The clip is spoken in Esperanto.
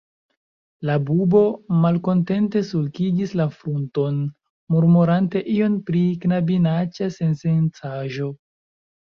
La bubo malkontente sulkigis la frunton, murmurante ion pri "knabinaĉa sensencaĵo".